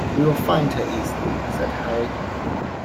"We will find her easily," said Harry.